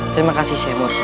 terima kasih syekh mursam